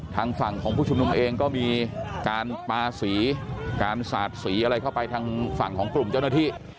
ทางฝั่งของผู้ชุมนุมเองก็มีการปาสีการสาดสีอะไรเข้าไปทางฝั่งของกลุ่มเจ้าหน้าที่